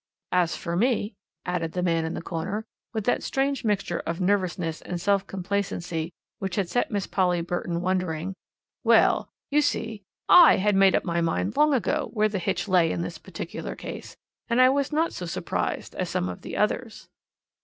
"As for me," added the man in the corner, with that strange mixture of nervousness and self complacency which had set Miss Polly Burton wondering, "well, you see, I had made up my mind long ago where the hitch lay in this particular case, and I was not so surprised as some of the others.